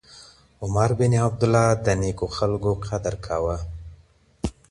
عمر بن عبیدالله د نېکو خلکو قدر کاوه.